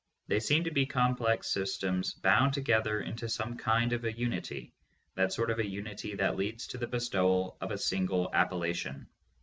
They seem to be complex systems bound together into some kind of a unity, that sort of a unity that leads to the bestowal of a single appellation.